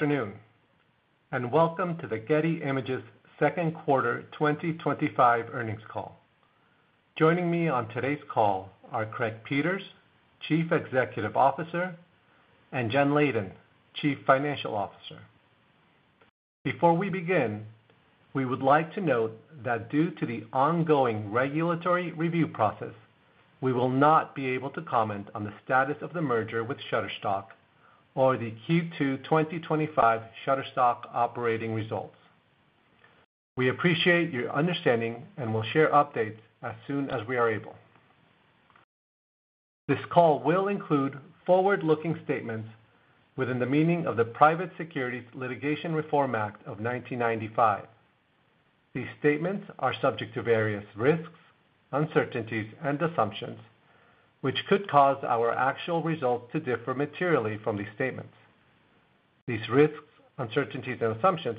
Good afternoon and welcome to the Getty Images Second Quarter 2025 Earnings Call. Joining me on today's call are Craig Peters, Chief Executive Officer, and Jen Leyden, Chief Financial Officer. Before we begin, we would like to note that due to the ongoing regulatory review process, we will not be able to comment on the status of the merger with Shutterstock or the Q2 2025 Shutterstock operating results. We appreciate your understanding and will share updates as soon as we are able. This call will include forward-looking statements within the meaning of the Private Securities Litigation Reform Act of 1995. These statements are subject to various risks, uncertainties, and assumptions, which could cause our actual results to differ materially from these statements. These risks, uncertainties, and assumptions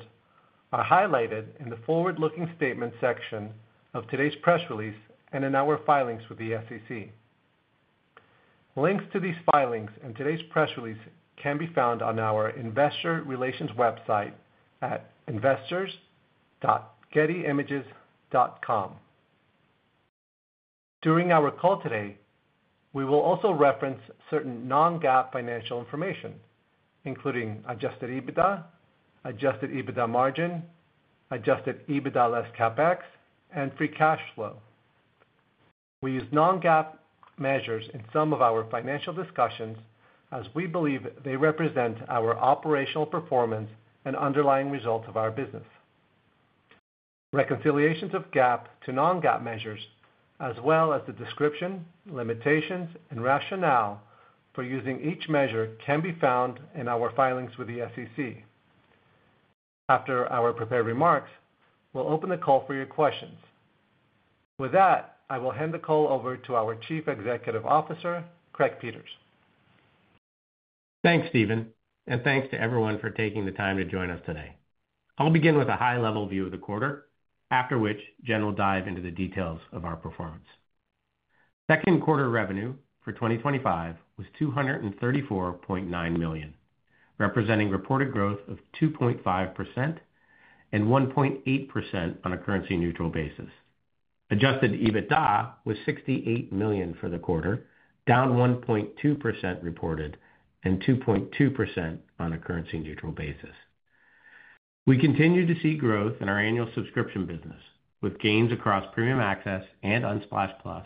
are highlighted in the forward-looking statements section of today's press release and in our filings with the SEC. Links to these filings and today's press release can be found on our investor relations website at investors.gettyimages.com. During our call today, we will also reference certain non-GAAP financial information, including adjusted EBITDA, adjusted EBITDA margin, adjusted EBITDA less CapEx, and free cash flow. We use non-GAAP measures in some of our financial discussions as we believe they represent our operational performance and underlying results of our business. Reconciliations of GAAP to non-GAAP measures, as well as the description, limitations, and rationale for using each measure, can be found in our filings with the SEC. After our prepared remarks, we'll open the call for your questions. With that, I will hand the call over to our Chief Executive Officer, Craig Peters. Thanks, Steven, and thanks to everyone for taking the time to join us today. I'll begin with a high-level view of the quarter, after which Jen will dive into the details of our performance. Second quarter revenue for 2025 was $234.9 million, representing reported growth of 2.5% and 1.8% on a currency-neutral basis. Adjusted EBITDA was $68 million for the quarter, down 1.2% reported and 2.2% on a currency-neutral basis. We continue to see growth in our annual subscription business, with gains across Premium Access and Unsplash Plus,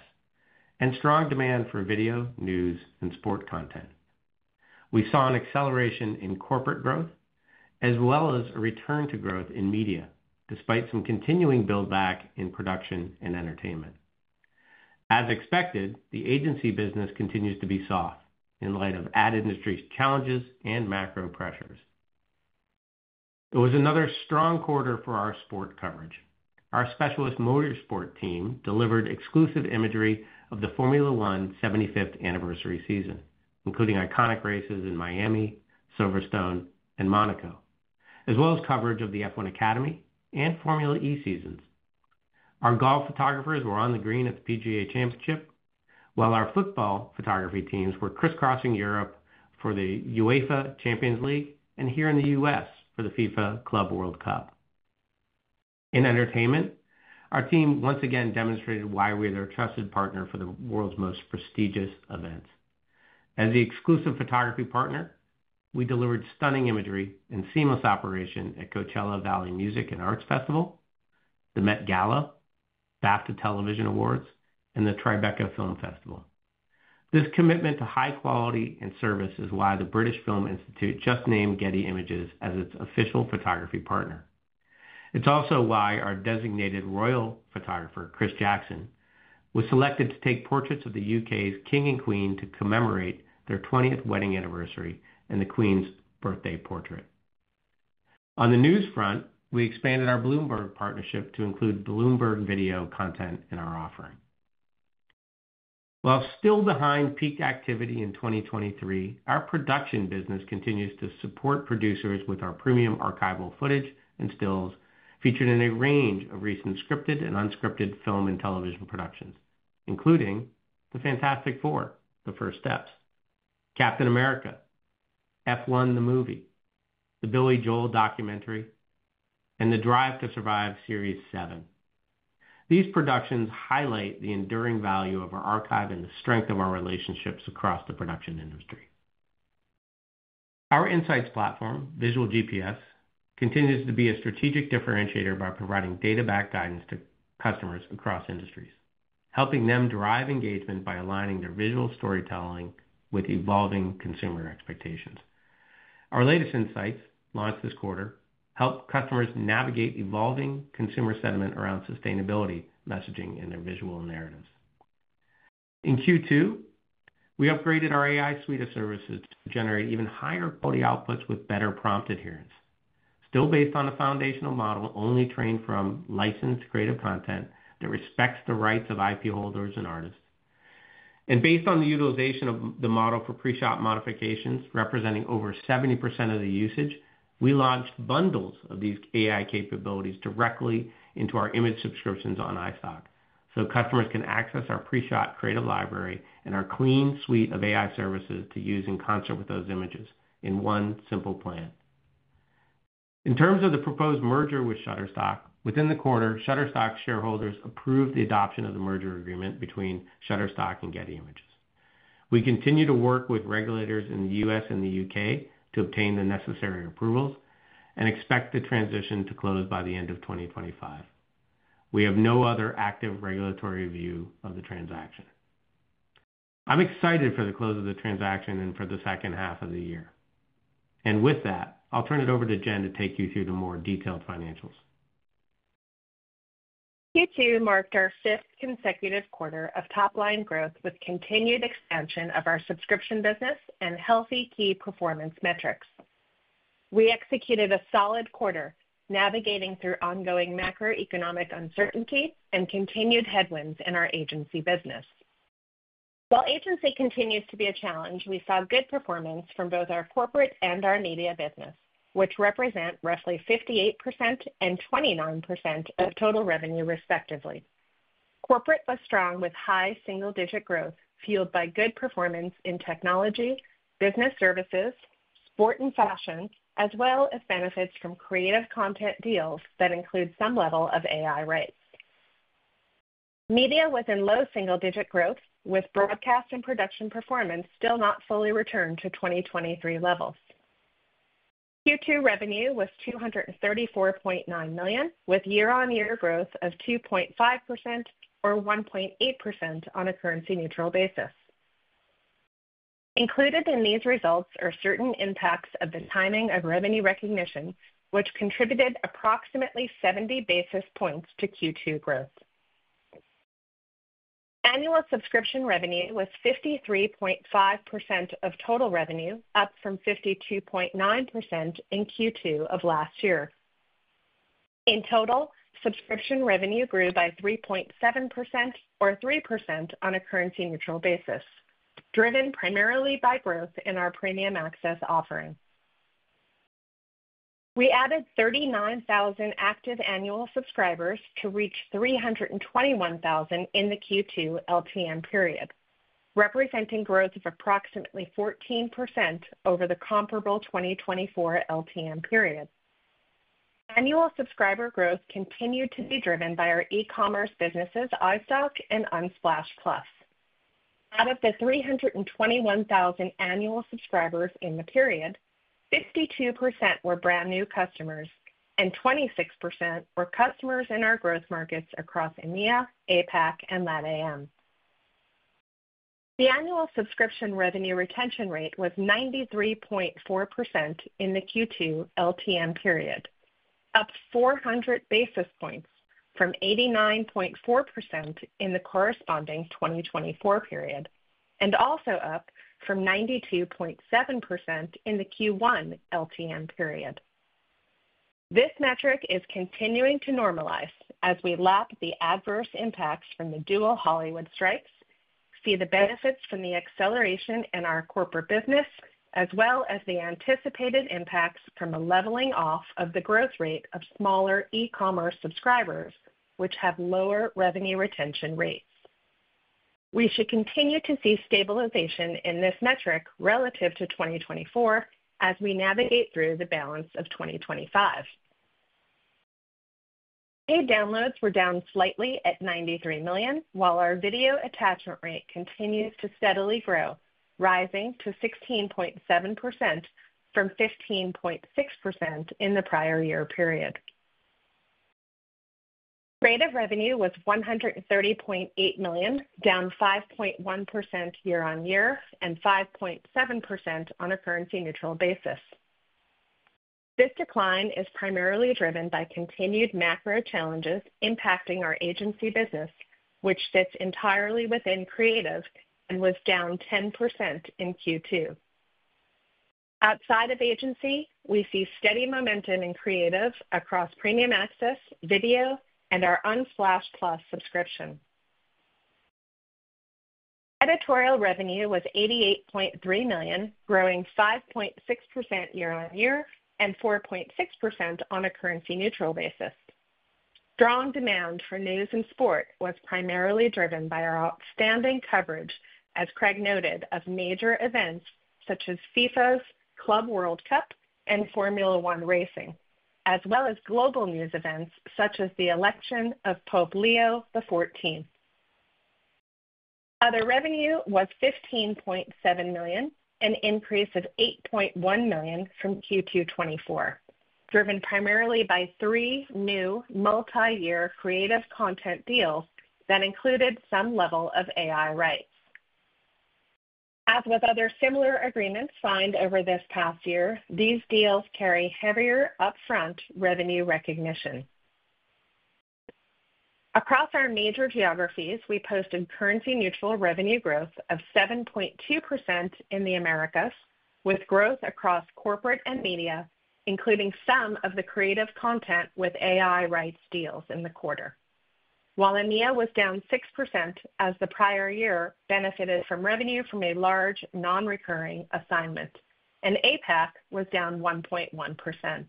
and strong demand for video, news, and sport content. We saw an acceleration in corporate growth, as well as a return to growth in media, despite some continuing buildback in production and entertainment. As expected, the agency business continues to be soft, in light of ad industry's challenges and macro-economic pressures. It was another strong quarter for our sport coverage. Our specialist motorsport team delivered exclusive imagery of the Formula One 75th anniversary season, including iconic races in Miami, Silverstone, and Monaco, as well as coverage of the F1 Academy and Formula E seasons. Our golf photographers were on the green at the PGA Championship, while our football photography teams were crisscrossing Europe for the UEFA Champions League and here in the U.S. for the FIFA Club World Cup. In entertainment, our team once again demonstrated why we are their trusted partner for the world's most prestigious events. As the exclusive photography partner, we delivered stunning imagery and seamless operation at Coachella Valley Music and Arts Festival, the Met Gala, BAFTA Television Awards, and the Tribeca Film Festival. This commitment to high quality and service is why the British Film Institute just named Getty Images as its official photography partner. It's also why our designated royal photographer, Chris Jackson, was selected to take portraits of the U.K.'s King and Queen to commemorate their 20th wedding anniversary and the Queen's birthday portrait. On the news front, we expanded our Bloomberg partnership to include Bloomberg Video content in our offering. While still behind peak activity in 2023, our production business continues to support producers with our premium archival footage and stills featured in a range of recent scripted and unscripted film and television productions, including The Fantastic Four: The First Steps, Captain America, F1: The Movie, The Billy Joel Documentary, and The Drive to Survive Series 7. These productions highlight the enduring value of our archive and the strength of our relationships across the production industry. Our insights platform, Visual GPS, continues to be a strategic differentiator by providing data-backed guidance to customers across industries, helping them drive engagement by aligning their visual storytelling with evolving consumer expectations. Our latest insights, launched this quarter, help customers navigate evolving consumer sentiment around sustainability messaging in their visual narratives. In Q2, we upgraded our AI suite of services to generate even higher quality outputs with better prompt adherence, still based on a foundational model only trained from licensed creative content that respects the rights of IP holders and artists. Based on the utilization of the model for preshot modifications, representing over 70% of the usage, we launched bundles of these AI capabilities directly into our image subscriptions on iStock, so customers can access our preshot creative library and our clean suite of AI services to use in concert with those images in one simple plan. In terms of the proposed merger with Shutterstock, within the quarter, Shutterstock shareholders approved the adoption of the merger agreement between Shutterstock and Getty Images. We continue to work with regulators in the U.S. and the U.K. to obtain the necessary approvals and expect the transaction to close by the end of 2025. We have no other active regulatory review of the transaction. I'm excited for the close of the transaction and for the second half of the year. With that, I'll turn it over to Jen to take you through the more detailed financials. Q2 marked our fifth consecutive quarter of top-line growth with continued expansion of our subscription business and healthy key performance metrics. We executed a solid quarter, navigating through ongoing macroeconomic uncertainty and continued headwinds in our agency business. While agency continues to be a challenge, we saw good performance from both our corporate and our media business, which represent roughly 58% and 29% of total revenue, respectively. Corporate was strong with high single-digit growth, fueled by good performance in technology, business services, sport, and fashion, as well as benefits from creative content deals that include some level of AI rights. Media was in low single-digit growth, with broadcast and production performance still not fully returned to 2023 levels. Q2 revenue was $234.9 million, with year-on-year growth of 2.5% or 1.8% on a currency-neutral basis. Included in these results are certain impacts of the timing of revenue recognition, which contributed approximately 70 basis points to Q2 growth. Annual subscription revenue was 53.5% of total revenue, up from 52.9% in Q2 of last year. In total, subscription revenue grew by 3.7% or 3% on a currency-neutral basis, driven primarily by growth in our Premium Access offering. We added 39,000 active annual subscribers to reach 321,000 in the Q2 LTM period, representing growth of approximately 14% over the comparable 2024 LTM period. Annual subscriber growth continued to be driven by our e-commerce businesses, iStock and Unsplash Plus. Out of the 321,000 annual subscribers in the period, 52% were brand new customers and 26% were customers in our growth markets across EMEA, APAC, and LATAM. The annual subscription revenue retention rate was 93.4% in the Q2 LTM period, up 400 basis points from 89.4% in the corresponding 2024 period, and also up from 92.7% in the Q1 LTM period. This metric is continuing to normalize as we lap the adverse impacts from the dual Hollywood strikes, see the benefits from the acceleration in our corporate business, as well as the anticipated impacts from a leveling off of the growth rate of smaller e-commerce subscribers, which have lower revenue retention rates. We should continue to see stabilization in this metric relative to 2024 as we navigate through the balance of 2025. Paid downloads were down slightly at 93 million, while our video attachment rate continues to steadily grow, rising to 16.7% from 15.6% in the prior year period. Creative revenue was $130.8 million, down 5.1% year-on-year and 5.7% on a currency-neutral basis. This decline is primarily driven by continued macro challenges impacting our agency business, which sits entirely within Creative and was down 10% in Q2. Outside of agency, we see steady momentum in Creative across Premium Access, Video, and our Unsplash Plus subscription. Editorial revenue was $88.3 million, growing 5.6% year-on-year and 4.6% on a currency-neutral basis. Strong demand for news and sport was primarily driven by our outstanding coverage, as Craig noted, of major events such as the FIFA Club World Cup and Formula One, as well as global news events such as the election of Pope Leo XIV. Other revenue was $15.7 million, an increase of $8.1 million from Q2 2024, driven primarily by three new multi-year creative content deals that included some level of AI rights. As with other similar agreements signed over this past year, these deals carry heavier upfront revenue recognition. Across our major geographies, we posted currency-neutral revenue growth of 7.2% in the Americas, with growth across corporate and media, including some of the creative content with AI rights deals in the quarter, while EMEA was down 6% as the prior year benefited from revenue from a large non-recurring assignment, and APAC was down 1.1%.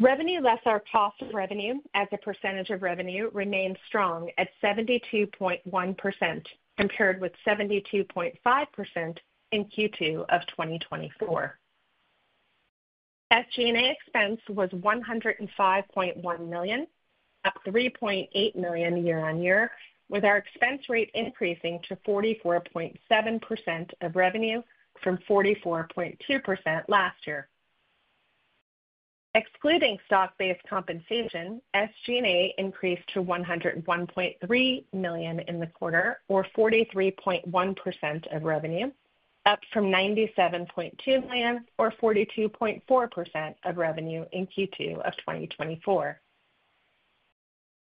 Revenue less our cost of revenue as a percentage of revenue remains strong at 72.1% compared with 72.5% in Q2 of 2024. SG&A expense was $105.1 million, up $3.8 million year-on-year, with our expense rate increasing to 44.7% of revenue from 44.2% last year. Excluding stock-based compensation, SG&A increased to $101.3 million in the quarter, or 43.1% of revenue, up from $97.2 million or 42.4% of revenue in Q2 of 2024.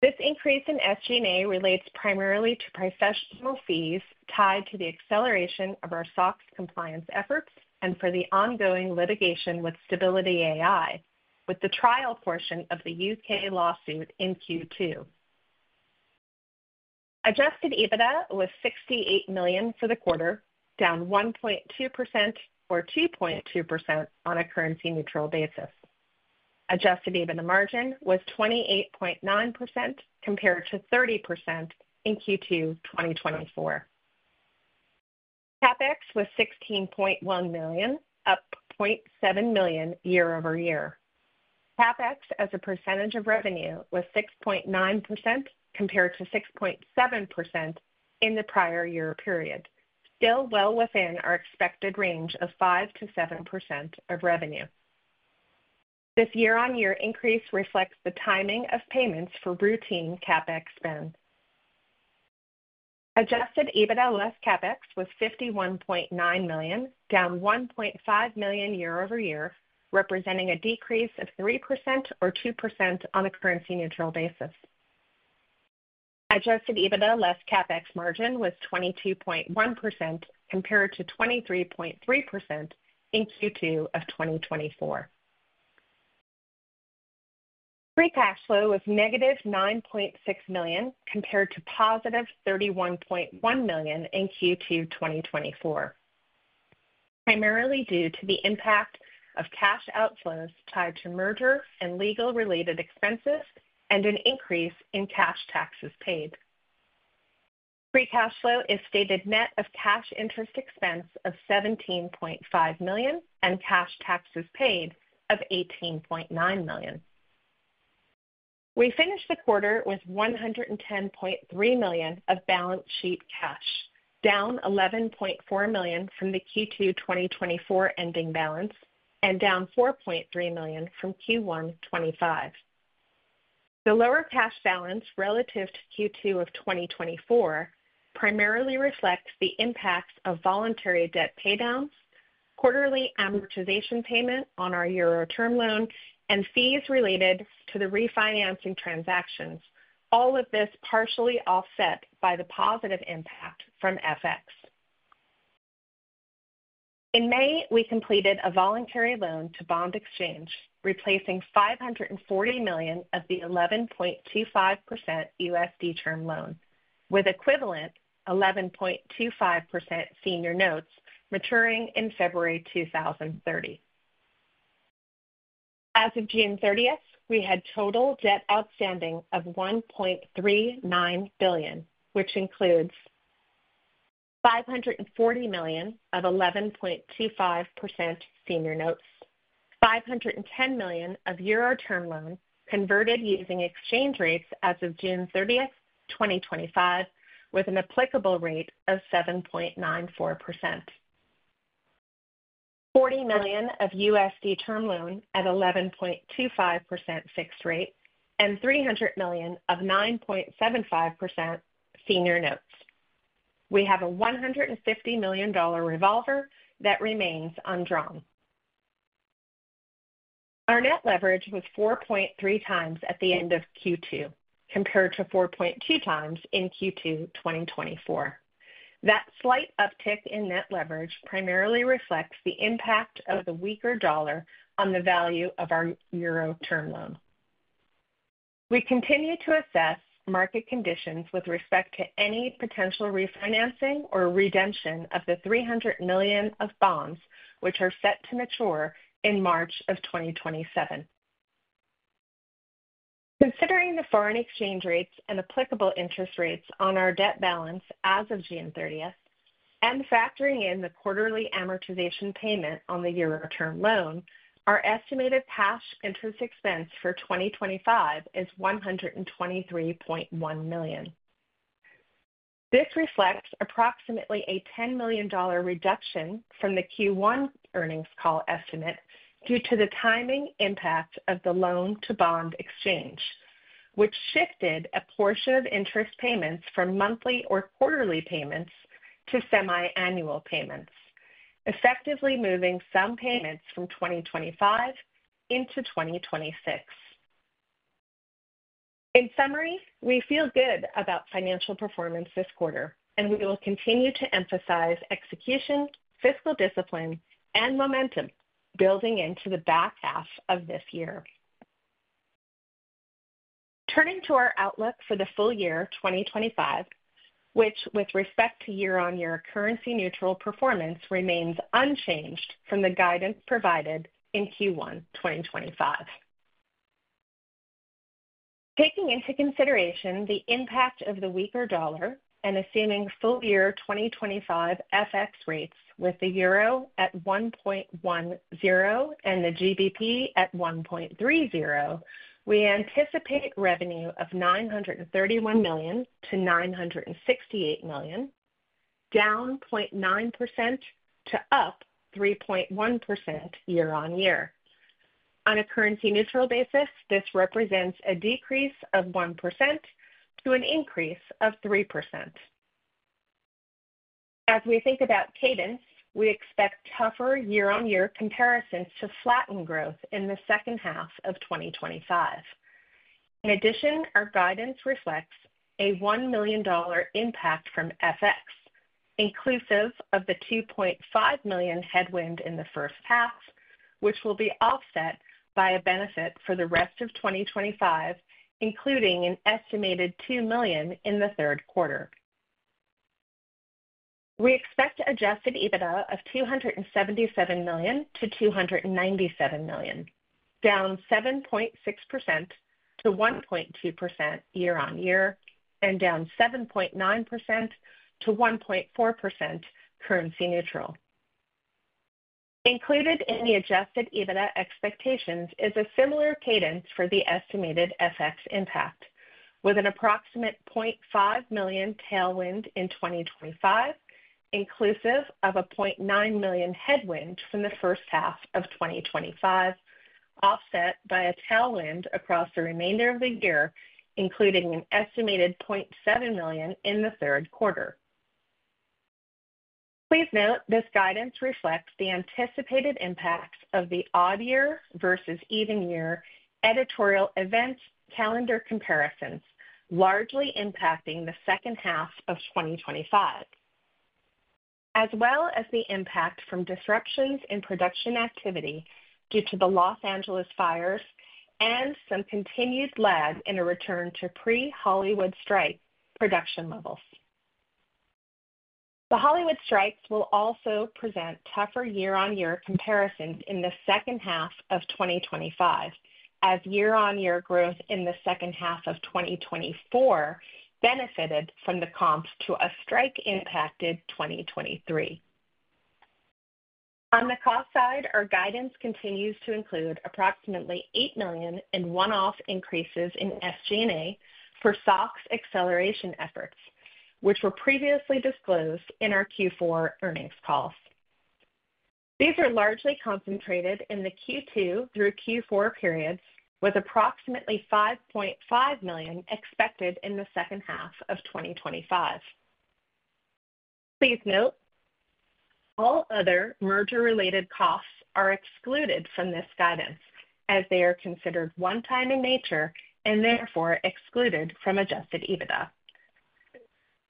This increase in SG&A relates primarily to professional fees tied to the acceleration of our SOCs compliance efforts and for the ongoing litigation with Stability AI, with the trial portion of the UK lawsuit in Q2. Adjusted EBITDA was $68 million for the quarter, down 1.2% or 2.2% on a currency-neutral basis. Adjusted EBITDA margin was 28.9% compared to 30% in Q2 2024. CapEx was $16.1 million, up $0.7 million year-over-year. CapEx as a percentage of revenue was 6.9% compared to 6.7% in the prior year period, still well within our expected range of 5%-7% of revenue. This year-on-year increase reflects the timing of payments for routine CapEx spend. Adjusted EBITDA less CapEx was $51.9 million, down $1.5 million year-over-year, representing a decrease of 3% or 2% on a currency-neutral basis. Adjusted EBITDA less CapEx margin was 22.1% compared to 23.3% in Q2 of 2024. Free cash flow was negative $9.6 million compared to positive $31.1 million in Q2 2024, primarily due to the impact of cash outflows tied to merger and legal-related expenses and an increase in cash taxes paid. Free cash flow is stated net of cash interest expense of $17.5 million and cash taxes paid of $18.9 million. We finished the quarter with $110.3 million of balance sheet cash, down $11.4 million from the Q2 2024 ending balance and down $4.3 million from Q1 2025. The lower cash balance relative to Q2 of 2024 primarily reflects the impacts of voluntary debt paydowns, quarterly amortization payment on our Euro term loan, and fees related to the refinancing transactions, all of this partially offset by the positive impact from FX. In May, we completed a voluntary loan to Bond Exchange, replacing $540 million of the 11.25% USD term loan with equivalent 11.25% senior notes maturing in February 2030. As of June 30th, we had total debt outstanding of $1.39 billion, which includes $540 million of 11.25% senior notes, $510 million of Euro term loan converted using exchange rates as of June 30th, 2025, with an applicable rate of 7.94%, $40 million of USD term loan at 11.25% fixed rate, and $300 million of 9.75% senior notes. We have a $150 million revolver that remains undrawn. Our net leverage was 4.3x at the end of Q2 compared to 4.2x in Q2 2024. That slight uptick in net leverage primarily reflects the impact of the weaker dollar on the value of our Euro term loan. We continue to assess market conditions with respect to any potential refinancing or redemption of the $300 million of bonds, which are set to mature in March of 2027. Considering the foreign exchange rates and applicable interest rates on our debt balance as of June 30th, and factoring in the quarterly amortization payment on the Euro term loan, our estimated cash interest expense for 2025 is $123.1 million. This reflects approximately a $10 million reduction from the Q1 earnings call estimate due to the timing impacts of the loan to Bond Exchange, which shifted a portion of interest payments from monthly or quarterly payments to semi-annual payments, effectively moving some payments from 2025 into 2026. In summary, we feel good about financial performance this quarter, and we will continue to emphasize execution, fiscal discipline, and momentum building into the back half of this year. Turning to our outlook for the full year 2025, which with respect to year-on-year currency-neutral performance remains unchanged from the guidance provided in Q1 2025. Taking into consideration the impact of the weaker dollar and assuming full-year 2025 FX rates with the Euro at 1.10 and the GBP at 1.30, we anticipate revenue of $931 million-$968 million, down 0.9% to up 3.1% year-on-year. On a currency-neutral basis, this represents a decrease of 1% to an increase of 3%. As we think about cadence, we expect tougher year-on-year comparisons to flatten growth in the second half of 2025. In addition, our guidance reflects a $1 million impact from FX, inclusive of the $2.5 million headwind in the first half, which will be offset by a benefit for the rest of 2025, including an estimated $2 million in the third quarter. We expect adjusted EBITDA of $277 million-$297 million, down 7.6%-1.2% year-on-year and down 7.9%-1.4% currency-neutral. Included in the adjusted EBITDA expectations is a similar cadence for the estimated FX impact, with an approximate $0.5 million tailwind in 2025, inclusive of a $0.9 million headwind from the first half of 2025, offset by a tailwind across the remainder of the year, including an estimated $0.7 million in the third quarter. Please note, this guidance reflects the anticipated impacts of the odd-year versus even-year editorial event calendar comparisons, largely impacting the second half of 2025, as well as the impact from disruptions in production activity due to the Los Angeles fires and some continued lag in a return to pre-Hollywood strike production levels. The Hollywood strikes will also present tougher year-on-year comparison in the second half of 2025, as year-on-year growth in the second half of 2024 benefited from the comp to a strike-impacted 2023. On the cost side, our guidance continues to include approximately $8 million in one-off increases in SG&A for SOCs acceleration efforts, which were previously disclosed in our Q4 earnings calls. These are largely concentrated in the Q2 through Q4 periods, with approximately $5.5 million expected in the second half of 2025. Please note, all other merger-related costs are excluded from this guidance, as they are considered one-time in nature and therefore excluded from adjusted EBITDA.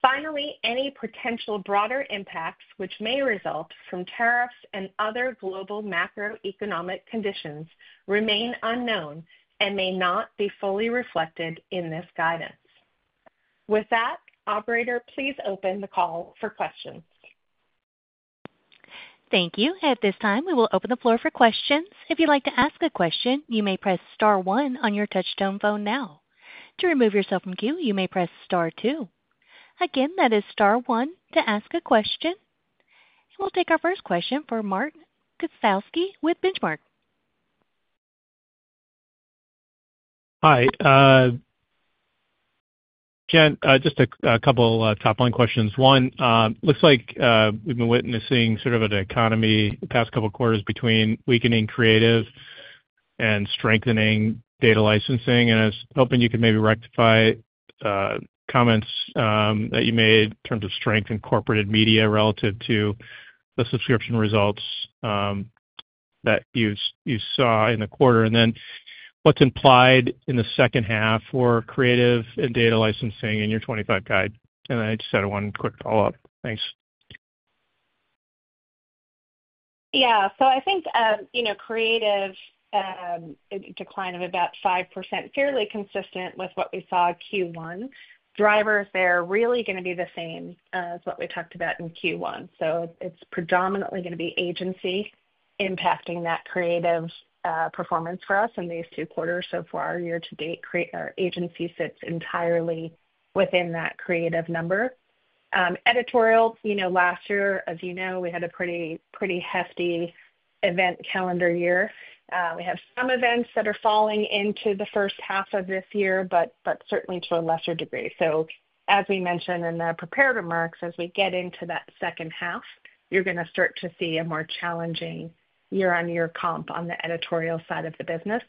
Finally, any potential broader impacts which may result from tariffs and other global macro-economic conditions remain unknown and may not be fully reflected in this guidance. With that, operator, please open the call for questions. Thank you. At this time, we will open the floor for questions. If you'd like to ask a question, you may press star one on your touch-tone phone now. To remove yourself from the queue, you may press star two. Again, that is star one to ask a question. We'll take our first question from Martin Kowalski with Benchmark. Hi. Jen, just a couple of top-line questions. One, it looks like we've been witnessing sort of a dichotomy the past couple of quarters between weakening creative and strengthening data licensing. I was hoping you could maybe rectify comments that you made in terms of strength in corporate media relative to the subscription results that you saw in the quarter. What's implied in the second half for creative and data licensing in your 2025 guide? I just had one quick follow-up. Thanks. Yeah. I think, you know, creative decline of about 5%, fairly consistent with what we saw Q1. Drivers there are really going to be the same as what we talked about in Q1. It is predominantly going to be agency impacting that creative performance for us in these two quarters so far. Year-to-date, our agency sits entirely within that creative number. Editorial, you know, last year, as you know, we had a pretty, pretty hefty event calendar year. We have some events that are falling into the first half of this year, but certainly to a lesser degree. As we mentioned in the prepared remarks, as we get into that second half, you're going to start to see a more challenging year-on-year comp on the editorial side of the business.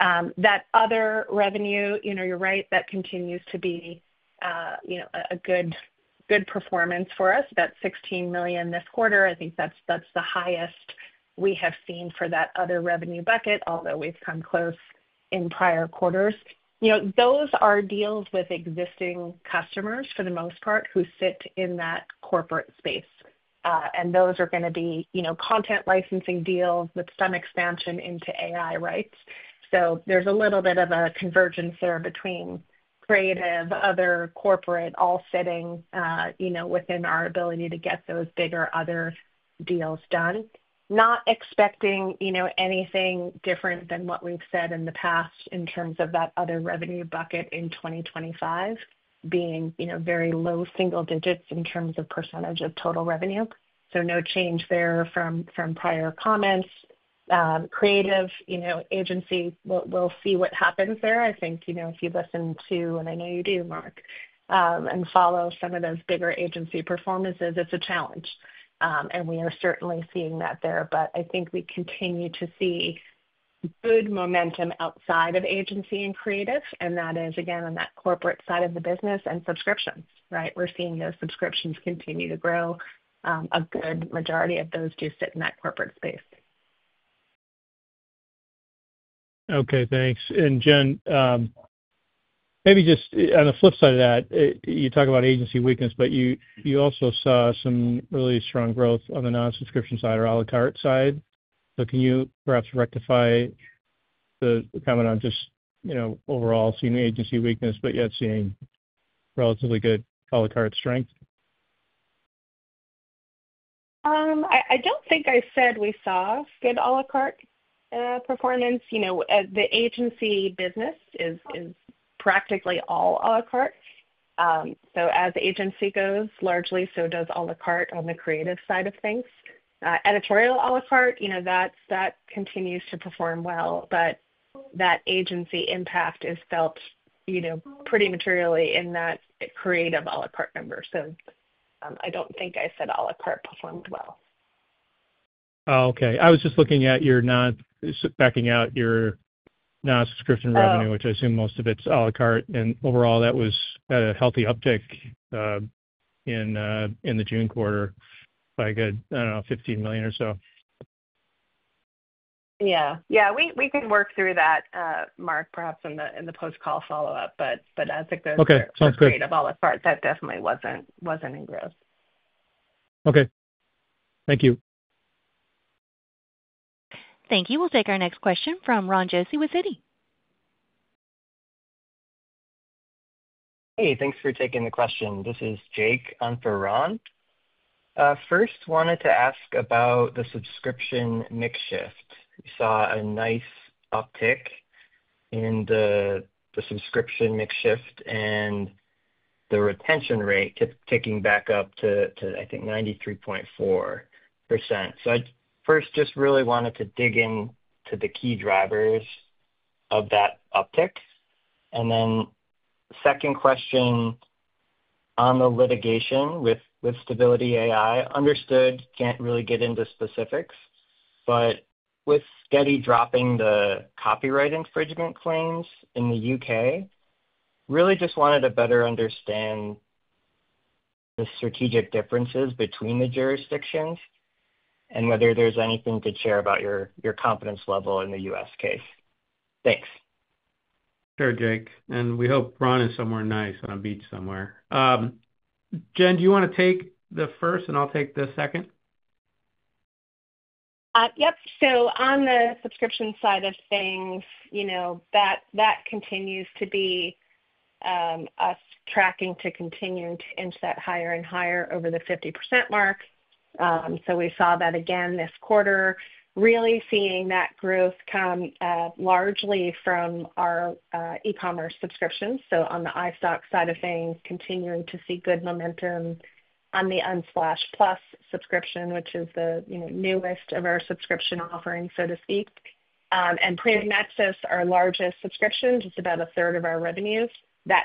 That other revenue, you know, you're right, that continues to be, you know, a good, good performance for us. That $16 million this quarter, I think that's the highest we have seen for that other revenue bucket, although we've come close in prior quarters. Those are deals with existing customers for the most part who sit in that corporate space. Those are going to be, you know, content licensing deals with some expansion into AI rights. There is a little bit of a convergence there between creative, other corporate, all sitting, you know, within our ability to get those bigger other deals done. Not expecting, you know, anything different than what we've said in the past in terms of that other revenue bucket in 2025 being, you know, very low single digits in terms of percentage of total revenue. No change there from prior comments. Creative, you know, agency, we'll see what happens there. I think, you know, if you listen to, and I know you do, Mark, and follow some of those bigger agency performances, it's a challenge. We are certainly seeing that there. I think we continue to see good momentum outside of agency and creative. That is, again, on that corporate side of the business and subscriptions, right? We're seeing those subscriptions continue to grow. A good majority of those do sit in that corporate space. OK, thanks. Jen, maybe just on the flip side of that, you talk about agency weakness, but you also saw some really strong growth on the non-subscription side or a la carte side. Can you perhaps rectify the comment on just, you know, overall seeing agency weakness but yet seeing relatively good a la carte strength? I don't think I said we saw good a la carte performance. The agency business is practically all a la carte, so as the agency goes, largely so does a la carte on the creative side of things. Editorial a la carte continues to perform well. That agency impact is felt pretty materially in that creative a la carte number. I don't think I said a la carte performed well. OK. I was just looking at your non—so, backing out your non-subscription revenue, which I assume most of it's a la carte. Overall, that was at a healthy uptick in the June quarter by a good, I don't know, $15 million or so. Yeah, we can work through that, Mark, perhaps in the post-call follow-up. I think those are creative a la carte. That definitely wasn't in growth. OK, thank you. Thank you. We'll take our next question from Ron Josey with Citi. Hey, thanks for taking the question. This is Jake. I'm for Ron. First, I wanted to ask about the subscription makeshift. We saw a nice uptick in the subscription makeshift, and the retention rate kept ticking back up to, I think, 93.4%. I first just really wanted to dig into the key drivers of that uptick. The second question on the litigation with Stability AI. Understood, can't really get into specifics. With Getty dropping the copyright infringement claims in the U.K., I really just wanted to better understand the strategic differences between the jurisdictions and whether there's anything to share about your competence level in the US case. Thanks. Sure, Jake. We hope Ron is somewhere nice on a beach somewhere. Jen, do you want to take the first, and I'll take the second? Yep. On the subscription side of things, that continues to be us tracking to continue to inch that higher and higher over the 50% mark. We saw that again this quarter, really seeing that growth come largely from our e-commerce subscriptions. On the iStock side of things, continuing to see good momentum on the Unsplash Plus subscription, which is the newest of our subscription offerings, so to speak. Premium Access, our largest subscription, just about a third of our revenues,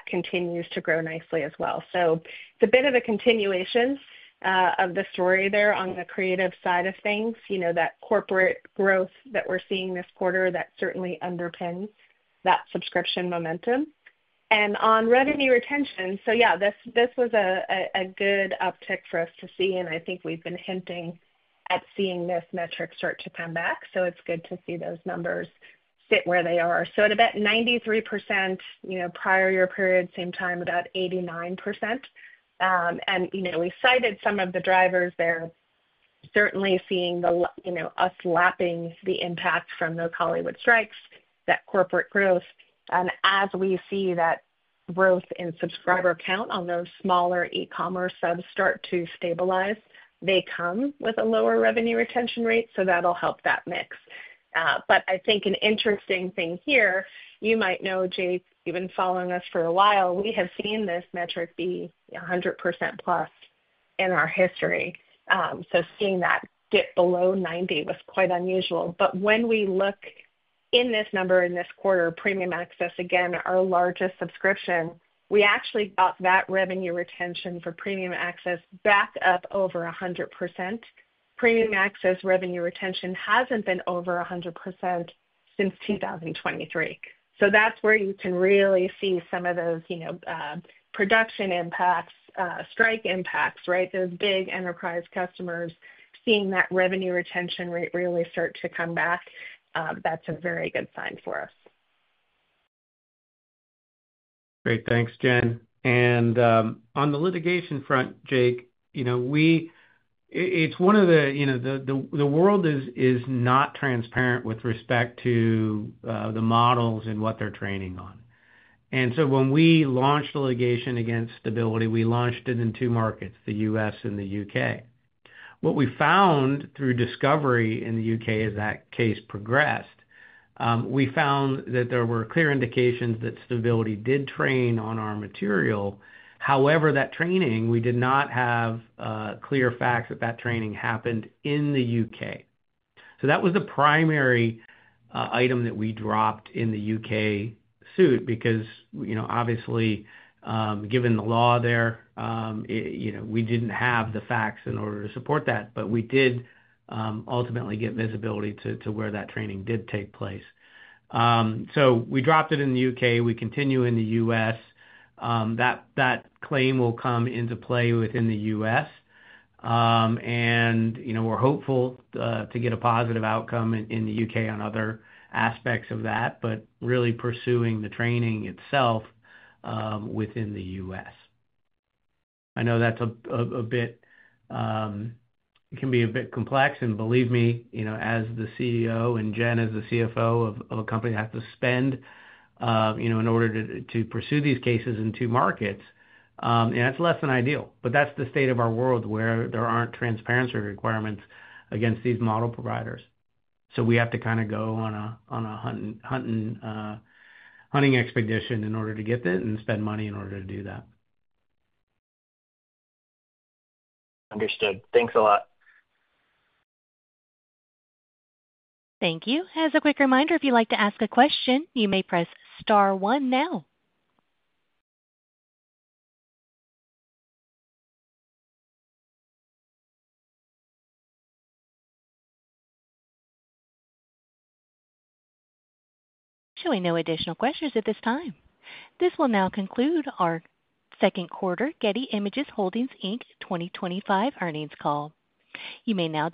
continues to grow nicely as well. It's a bit of a continuation of the story there on the creative side of things, that corporate growth that we're seeing this quarter certainly underpins that subscription momentum. On revenue retention, this was a good uptick for us to see. I think we've been hinting at seeing this metric start to come back. It's good to see those numbers sit where they are. At about 93%, prior year period, same time, about 89%. We cited some of the drivers there, certainly seeing us lapping the impact from those Hollywood strikes, that corporate growth. As we see that growth in subscriber count on those smaller e-commerce subs start to stabilize, they come with a lower revenue retention rate. That'll help that mix. I think an interesting thing here, you might know, Jake, you've been following us for a while. We have seen this metric be 100% plus in our history. Seeing that dip below 90% was quite unusual. When we look in this number in this quarter, Premium Access, again, our largest subscription, we actually got that revenue retention for Premium Access back up over 100%. Premium Access revenue retention hasn't been over 100% since 2023. That's where you can really see some of those production impacts, strike impacts, right? Those big enterprise customers seeing that revenue retention rate really start to come back. That's a very good sign for us. Great, thanks, Jen.On the litigation front, Jake, it's one of the, you know, the world is not transparent with respect to the models and what they're training on. When we launched litigation against Stability, we launched it in two markets, the U.S. and the U.K. What we found through discovery in the U.K. as that case progressed, we found that there were clear indications that Stability did train on our material. However, we did not have clear facts that that training happened in the U.K. That was the primary item that we dropped in the U.K. suit because, obviously, given the law there, we didn't have the facts in order to support that. We did ultimately get visibility to where that training did take place. We dropped it in the U.K.. We continue in the U.S. That claim will come into play within the U.S., and we're hopeful to get a positive outcome in the U.K. on other aspects of that, but really pursuing the training itself within the U.S. I know it can be a bit complex. Believe me, as the CEO and Jen, as the CFO of a company, have to spend in order to pursue these cases in two markets, and that's less than ideal. That's the state of our world where there aren't transparency requirements against these model providers. We have to kind of go on a hunting expedition in order to get that and spend money in order to do that. Understood. Thanks a lot. Thank you. As a quick reminder, if you'd like to ask a question, you may press star one now. Showing no additional questions at this time, this will now conclude our second quarter Getty Images Holdings Inc. 2025 Earnings call. You may now disconnect.